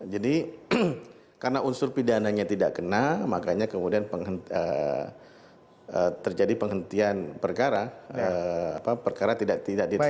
jadi karena unsur pidananya tidak kena makanya kemudian terjadi penghentian perkara perkara tidak tidak ditanjurkan